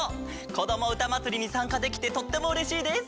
「こどもうたまつり」にさんかできてとってもうれしいです。